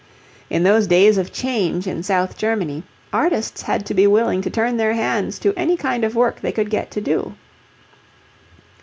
In those days of change in South Germany, artists had to be willing to turn their hands to any kind of work they could get to do.